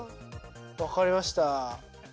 分かりました。